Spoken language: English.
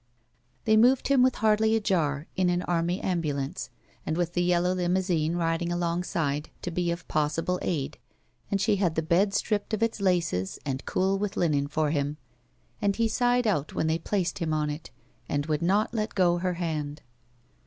it They moved him with hardly a jar in an army ambulance, and with the yellow Iknousine riding alongside to be of possible aid, and she had the bed stripped of its laces and cool with linen for him, and he sighed out when they placed him on it and would not let go her hand.